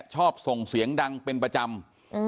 ชอบส่งเสียงดังเป็นประจำ